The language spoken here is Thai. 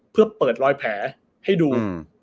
เพื่อเปิดรอยแผลให้ดู